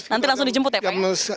nanti langsung dijemput ya pak ya